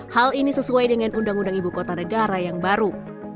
hal ini sesuai dengan undang undang ibu kota negara yang baru